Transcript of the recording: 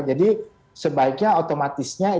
jadi sebaiknya otomatis